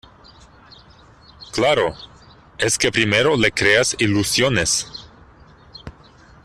claro, es que primero le creas ilusiones ,